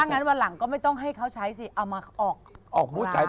งั้นวันหลังก็ไม่ต้องให้เขาใช้สิเอามาออกบูธ